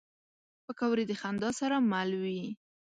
پکورې د خندا سره مل وي